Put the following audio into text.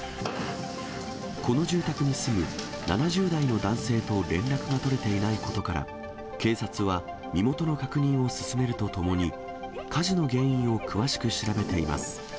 この住宅に住む７０代の男性と連絡が取れていないことから、警察は身元の確認を進めるとともに、火事の原因を詳しく調べています。